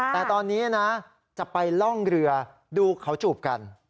แต่ตอนนี้นะจะไปล่องเรือดูเขาจูบกัน